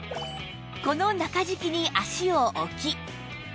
この中敷きに足を置き